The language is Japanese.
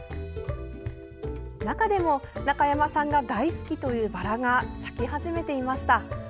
中でも、中山さんが大好きというバラが咲き始めていました。